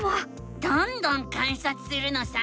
どんどん観察するのさ！